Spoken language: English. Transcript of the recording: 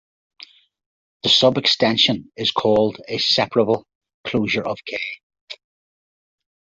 This subextension is called a separable closure of "K".